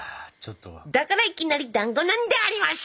「だからいきなりだんごなんであります！」。